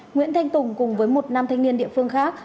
nguyễn thanh tùng cùng với một nam thanh niên địa phương khác